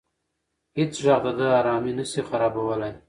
هیڅ غږ د ده ارامي نه شي خرابولی.